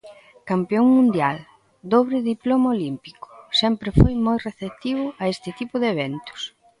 Campión mundial, dobre diploma olímpico, sempre foi moi receptivo a este tipo de eventos.